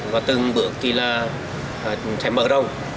và từng bước thì là sẽ mở rộng